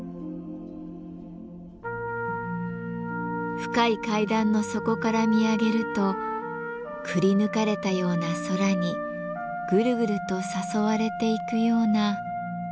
深い階段の底から見上げるとくり抜かれたような空にぐるぐると誘われていくような。